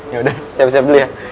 ya udah siap siap beli ya